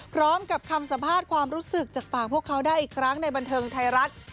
พร้อมกับคำสัมภาษณ์ความรู้สึกจากปากพวกเขาได้อีกครั้งในบันเทิงไทยรัฐ